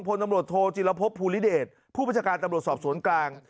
พลตำรวจโทจิลภพภูริเดชผู้บัญชาการตำรวจสอบสวนกลาง